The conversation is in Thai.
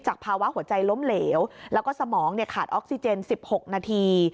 ภาวะหัวใจล้มเหลวแล้วก็สมองขาดออกซิเจน๑๖นาที